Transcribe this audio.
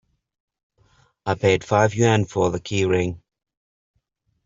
I paid five yuan for the keyring.